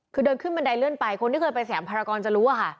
คือเดินขึ้นบันไดเลื่อนไปคนที่เคยไปแสงภารกรณ์จะรู้